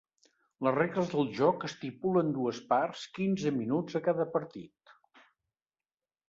Les regles del joc estipulen dues parts quinze minuts a cada partit.